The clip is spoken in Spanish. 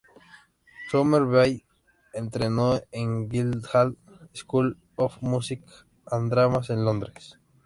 Somerville entrenó en Guildhall School of Music and Drama en Londres.